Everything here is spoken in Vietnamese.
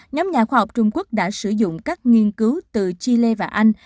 nhóm nhà khoa học trung quốc đã sử dụng các nghiên cứu từ chile và anh